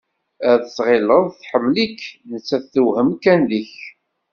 Ad tɣilleḍ tḥemmel-ik, nettat tewhem kan deg-k.